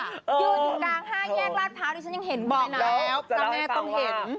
บอกเลยทั้งแห่งต้องเห็น